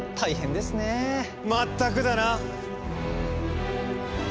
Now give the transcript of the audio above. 全くだな。